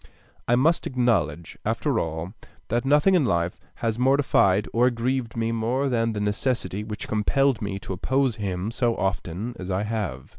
I must acknowledge, after all, that nothing in life has mortified or grieved me more than the necessity which compelled me to oppose him so often as I have.